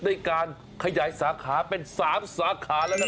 ด้วยการขยายสาขาเป็น๓สาขาแล้วนะ